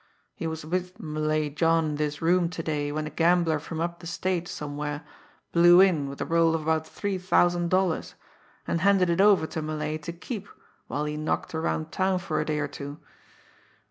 He was with Malay John in this room to day when a gambler from up the State somewhere blew in with a roll of about three thousand dollars, and handed it over to Malay to keep while he knocked around town for a day or two.